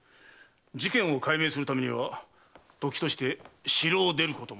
事件を解明するためにはときとして城を出ることも。